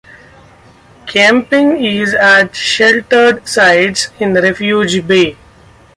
Camping is at sheltered sites in Refuge Bay.